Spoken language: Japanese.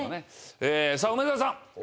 えさあ梅沢さん。